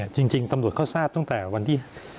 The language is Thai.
จริงตำรวจเขาทราบตั้งแต่วันที่